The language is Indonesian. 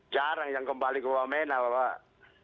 jarang yang kembali ke wamena bapak